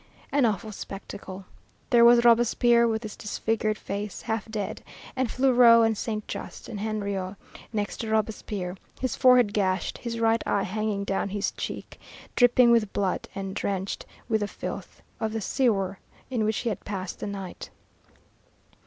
An awful spectacle. There was Robespierre with his disfigured face, half dead, and Fleuriot, and Saint Just, and Henriot next to Robespierre, his forehead gashed, his right eye hanging down his cheek, dripping with blood, and drenched with the filth of the sewer in which he had passed the night.